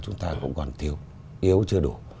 chúng ta cũng còn thiếu yếu chưa đủ